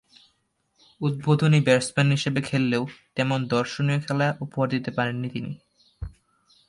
উদ্বোধনী ব্যাটসম্যান হিসেবে খেললেও তেমন দর্শনীয় খেলা উপহার দিতে পারেননি তিনি।